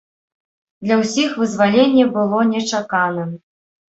Для ўсіх вызваленне было нечаканым.